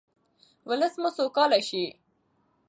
ولس مو سوکاله شي.